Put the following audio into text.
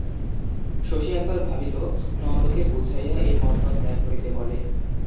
শশী একবার ভাবিল, নন্দকে বুঝাইয়া এ মতলব ত্যাগ করিতে বলে।